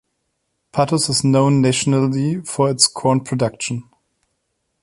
Patos is known nationally for its corn production.